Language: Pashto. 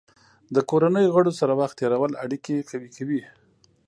د کورنۍ غړو سره وخت تېرول اړیکې قوي کوي.